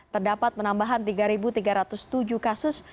terdapat penambahan tiga tiga ratus tujuh kasus